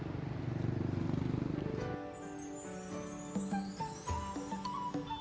kota pematang siantar